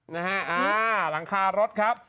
นะฮะอ่าหลังคารถครับ